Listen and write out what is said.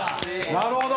なるほど！